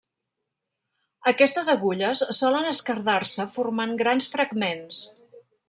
Aquestes agulles solen esquerdar-se formant grans fragments.